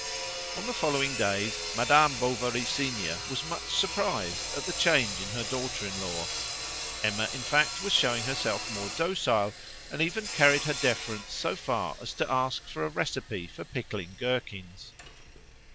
On the following days Madame Bovary senior was much surprised at the change in her daughter in law. Emma, in fact, was showing herself more docile, and even carried her deference so far as to ask for a recipe for pickling gherkins.